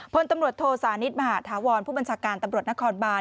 พลตำรวจโทสานิทมหาธาวรผู้บัญชาการตำรวจนครบาน